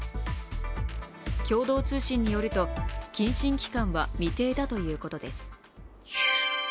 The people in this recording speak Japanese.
共同通信によると、謹慎期間は未定だということです。